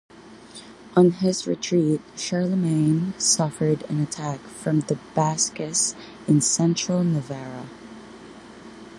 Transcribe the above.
On his retreat, Charlemagne suffered an attack from the Basques in central Navarra.